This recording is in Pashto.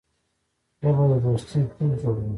ژبه د دوستۍ پُل جوړوي